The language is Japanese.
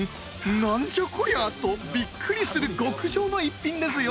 「何じゃこりゃ！」とびっくりする極上の逸品ですよ！